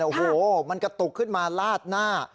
โอ้โหมันกระตุกขึ้นมาลาดหน้า